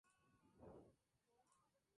Jan le dice a Hall que debe empezar a moverse.